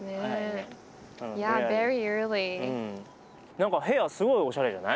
何か部屋すごいおしゃれじゃない？